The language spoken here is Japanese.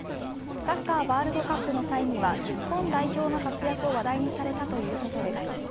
サッカーワールドカップの際には日本代表の活躍を話題にされたということです。